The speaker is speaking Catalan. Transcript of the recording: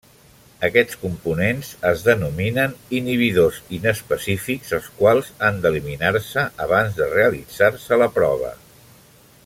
Aquests components es denominen inhibidors inespecífics els quals han d'eliminar-se abans de realitzar-se la prova.